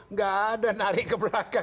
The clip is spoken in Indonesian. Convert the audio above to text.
nggak ada narik ke belakang